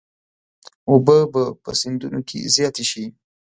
اوبه به په سیندونو کې زیاتې شي.